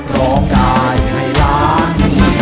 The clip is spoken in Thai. ร้องได้ให้ล้าน